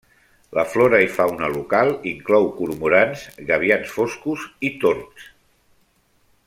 La flora i fauna local inclou cormorans, gavians foscos i tords.